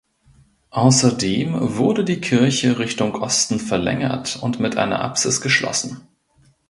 Außerdem wurde die Kirche Richtung Osten verlängert und mit einer Apsis geschlossen.